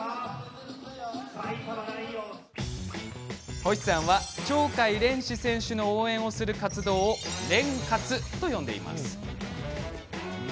星さんは鳥海連志選手を応援する活動をレン活と呼んでいます。